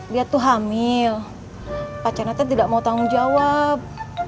dia tuh hamil pacarnya teh tidak mau tanggung jawab